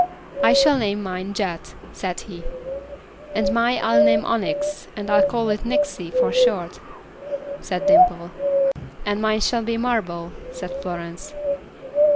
"I shall name mine Jet," said he. "And mine I'll name Onyx, and call it Nyxy for short," said Dimple. "And mine shall be Marble," said Florence.